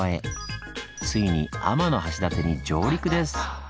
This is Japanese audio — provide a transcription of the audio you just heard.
ついに天橋立に上陸です！